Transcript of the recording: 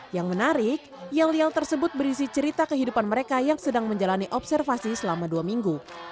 yang menarik yel yel tersebut berisi cerita kehidupan mereka yang sedang menjalani observasi selama dua minggu